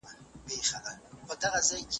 سياستپوهنه سياسي اعمال نه دي بلکې علمي تيورۍ دي.